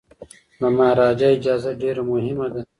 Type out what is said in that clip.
د مهاراجا اجازه ډیره مهمه ده.